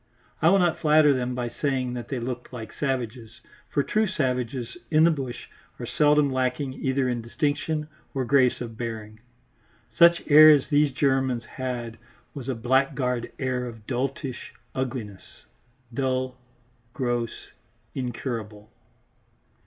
I will not flatter them by saying that they looked like savages, for true savages in the bush are seldom lacking either in distinction or grace of bearing. Such air as these Germans had was a blackguard air of doltish ugliness dull, gross, incurable.